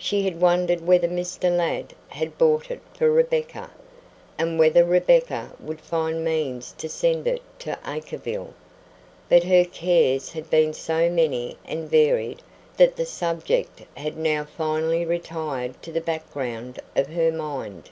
She had wondered whether Mr. Ladd had bought it for Rebecca, and whether Rebecca would find means to send it to Acreville; but her cares had been so many and varied that the subject had now finally retired to the background of her mind.